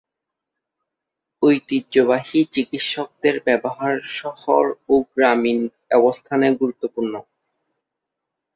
ঐতিহ্যবাহী চিকিৎসকদের ব্যবহার শহর ও গ্রামীণ অবস্থানে গুরুত্বপূর্ণ।